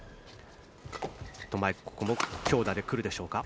ネット前ここも強打で来るでしょうか。